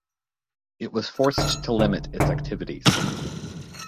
It was forced to limit its activities.